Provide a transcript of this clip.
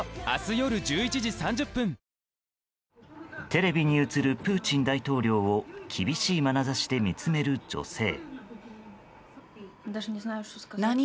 テレビに映るプーチン大統領を厳しいまなざしで見つめる女性。